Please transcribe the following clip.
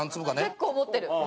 結構持ってる。